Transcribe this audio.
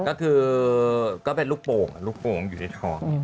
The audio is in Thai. ก็คือก็เป็นลูกโป่งลูกโป่งอยู่ในท้อง